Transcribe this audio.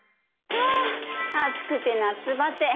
ああ暑くて夏バテ。